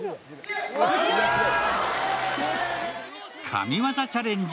神業チャレンジ